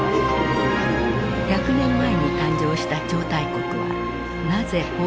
１００年前に誕生した超大国はなぜ崩壊したのか。